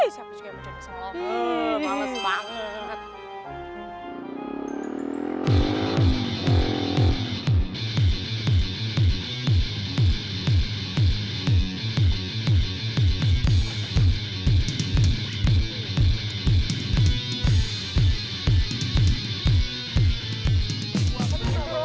siapa juga yang mau jodoh sama lo